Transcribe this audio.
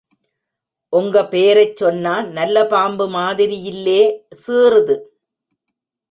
ஒங்க பேரைச் சொன்னா நல்லபாம்பு மாதிரியில்லே சீறுது.